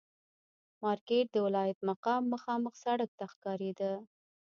مارکېټ د ولایت مقام مخامخ سړک ته ښکارېده.